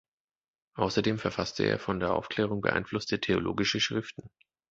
Außerdem verfasste er von der Aufklärung beeinflusste theologische Schriften.